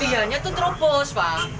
dianya tuh terobos pak